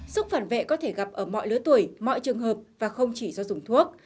sức phản vệ có thể gặp ở mọi lứa tuổi mọi trường hợp và không chỉ do dùng thuốc